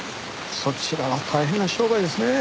そちらは大変な商売ですねえ。